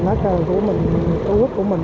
lá cờ của mình tổ quốc của mình